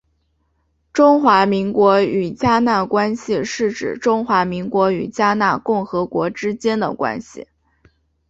中华民国与迦纳关系是指中华民国与迦纳共和国之间的关系。